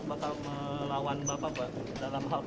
atau melawan bapak pak dalam hal pkp